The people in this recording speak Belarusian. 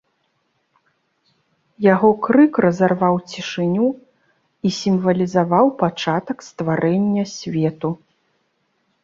Яго крык разарваў цішыню і сімвалізаваў пачатак стварэння свету.